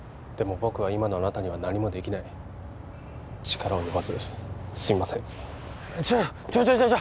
僕は今のあなたには何もできない力及ばずすみませんちょちょちょちょちょ